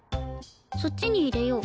そっちに入れよう。